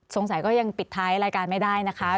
ก็ยังปิดท้ายรายการไม่ได้นะคะ